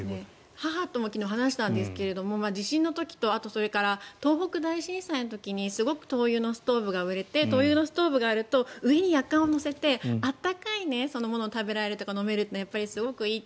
母とも昨日話したんですが地震の時とあと、それから東北大震災の時にすごく灯油のストーブが売れて灯油のストーブがあると上にやかんを乗せて温かいものを食べられたり飲めたりするのはやっぱりすごくいいって。